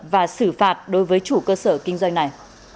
và xử phạt đối với chủ cơ sở kinh doanh này